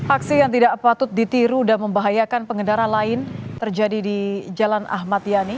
aksi yang tidak patut ditiru dan membahayakan pengendara lain terjadi di jalan ahmad yani